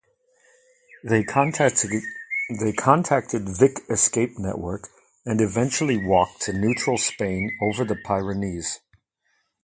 They contacted Vic escape network and eventually walked to neutral Spain over the Pyrenees.